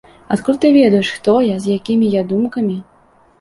Адкуль ты ведаеш, хто я, з якімі я думкамі?